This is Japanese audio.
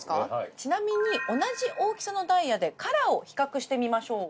ちなみに同じ大きさのダイヤでカラーを比較してみましょう。